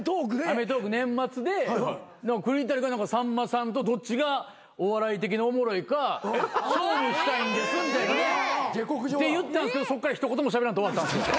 『アメトーーク！』年末で栗谷がさんまさんとどっちがお笑い的におもろいか勝負したいんですみたいなねって言ったんですけどそっから一言もしゃべらんと終わったんすよ。